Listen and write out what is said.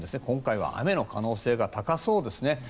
今回は雨の可能性が高そうです。